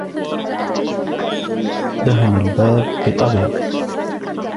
دهن الباب بالأبيض.